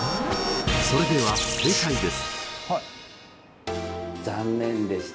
それでは正解です。